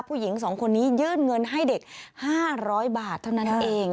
ผู้หญิง๒คนนี้ยื่นเงินให้เด็ก๕๐๐บาทเท่านั้นเอง